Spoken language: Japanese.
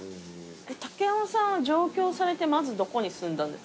竹山さんは上京されてまずどこに住んだんですか？